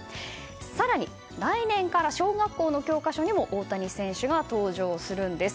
更に、来年から小学校の教科書にも大谷選手が登場するんです。